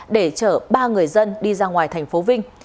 để chở ba người dân đi ra ngoài thành phố vinh